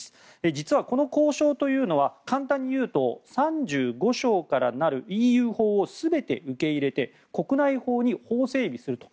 実は、この交渉というのは簡単に言うと３５章からなるＥＵ法を全て受け入れて国内法に法整備すると。